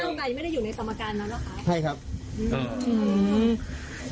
เก้าไกรไม่ได้อยู่ในสมการแล้วหรอคะ